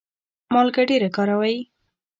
مالګه ډیره کاروئ؟